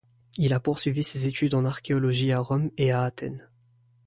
Il a poursuivi ses études en archéologie à Rome et à Athènes.